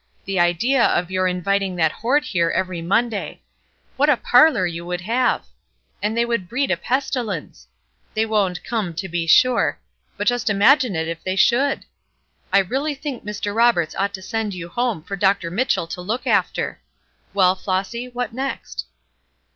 The idea of your inviting that horde here every Monday. What a parlor you would have! And they would breed a pestilence! They won't come, to be sure; but just imagine it if they should! I really think Mr. Roberts ought to send you home for Dr. Mitchell to look after. Well, Flossy, what next?"